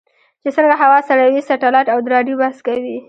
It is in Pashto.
چې څنګه هوا سړوي سټلایټ او د رادیو بحث کوي.